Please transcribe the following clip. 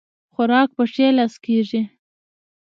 خوراک په ښي لاس کيږي